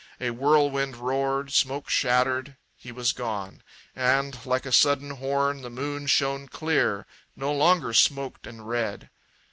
A whirlwind roared, smoke shattered, he was gone; And, like a sudden horn, The moon shone clear, no longer smoked and red.